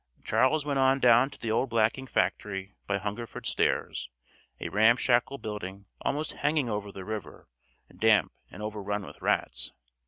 Charles went on down to the old blacking factory by Hungerford Stairs, a ramshackle building almost hanging over the river, damp and overrun with rats.